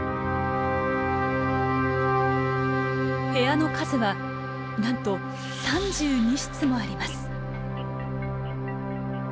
部屋の数はなんと３２室もあります。